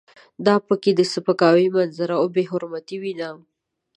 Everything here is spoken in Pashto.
دا په کې د سپکاوي منظره او بې حرمتي وینم.